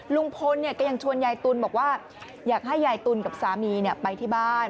ลุงพลก็ยังชวนยายตุ๋นบอกว่าอยากให้ยายตุลกับสามีไปที่บ้าน